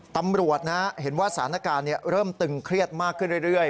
ตำรวจนะเห็นว่าสถานการณ์เริ่มตึงเครียดมากขึ้นเรื่อย